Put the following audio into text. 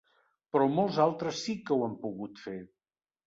Però molts altres sí que ho han pogut fer.